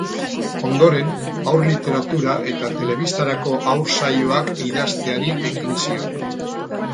Ondoren haur literatura eta telebistarako haur-saioak idazteari ekin zion.